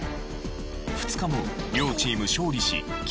２日も両チーム勝利しキープ。